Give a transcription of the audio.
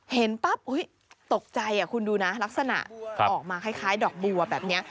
เห็นปั๊บตกใจคุณดูนะลักษณะออกมาคล้ายดอกบัวแบบนี้